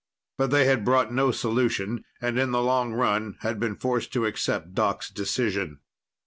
But they had brought no solution, and in the long run had been forced to accept Doc's decision.